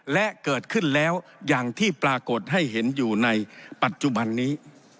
และเกิดขึ้นแล้วอย่างที่ปรากฏให้เห็นอยู่ในปัจจุบันนี้